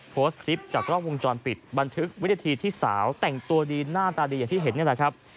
โพสต์คลิปจากกล้องวงจรปิดบันทึกวินาทีที่สาวแต่งตัวดีหน้าตาดีอย่างที่เห็นนี่แหละครับ